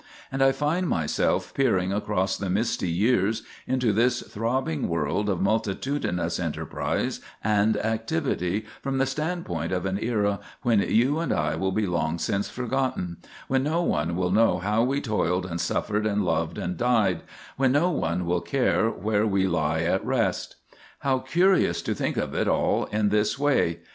And I find myself peering across the misty years into this throbbing world of multitudinous enterprise and activity from the standpoint of an era when you and I will be long since forgotten—when no one will know how we toiled and suffered and loved and died, when no one will care where we lie at rest. How curious to think of it all in this way!